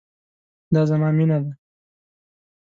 دا زما مينه ده